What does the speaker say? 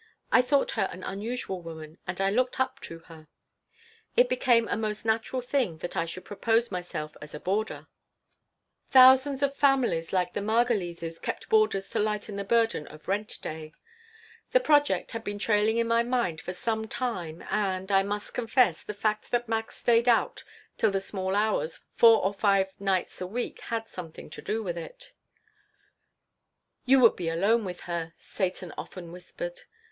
I thought her an unusual woman, and I looked up to her It became a most natural thing that I should propose myself as a boarder. Thousands of families like the Margolises kept boarders to lighten the burden of rent day The project had been trailing in my mind for some time and, I must confess, the fact that Max stayed out till the small hours four or five nights a week had something to do with it "You would be alone with her," Satan often whispered.